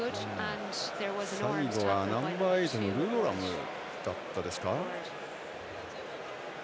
最後は、ナンバーエイトのルドラムだったですか。